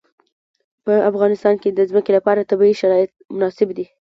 په افغانستان کې د ځمکه لپاره طبیعي شرایط مناسب دي.